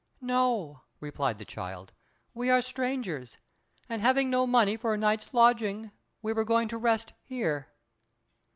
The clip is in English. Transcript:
"No," replied the child; "we are strangers, and having no money for a night's lodging, we were going to rest here."